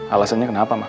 alasannya kenapa mak